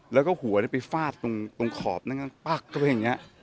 แล้วก็หัวไปฟาดตรงขอบนั่งปั๊กก็เลยอย่างนี้